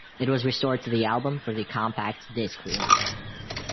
It was restored to the album for the compact disc release.